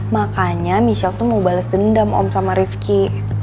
makanya michelle tuh mau bales dendam om sama rifki